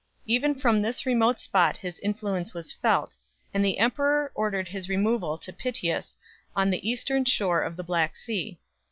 Even from this remote spot his influence was felt, and the emperor ordered his removal to Pityus on the eastern shore of the Black Sea.